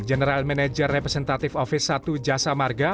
general manager repesentatif ofis satu jasa marga